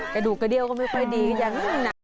กระดูกกระเดี้ยวก็ไม่ค่อยดีอย่างหนัก